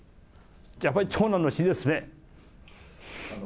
やっぱり長男の死ですね。